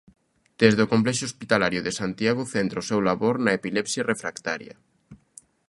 Desde o Complexo Hospitalario de Santiago centra o seu labor na epilepsia refractaria.